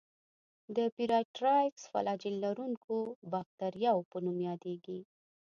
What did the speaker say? د پېرایټرایکس فلاجیل لرونکو باکتریاوو په نوم یادیږي.